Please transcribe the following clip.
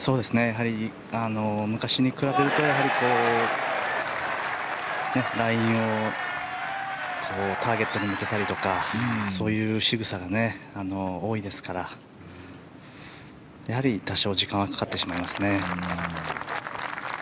やはり昔に比べるとやはりラインをターゲットに向けたりとかそういうしぐさが多いですからやはり多少時間はかかってしまいますね。